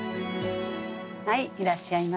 はいいらっしゃいませ。